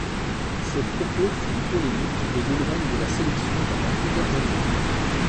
Ses propos font polémique et l'éloignent de la sélection pendant plusieurs années.